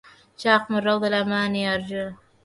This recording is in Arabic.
شاق من روض الأماني أرجه